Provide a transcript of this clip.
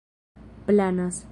planas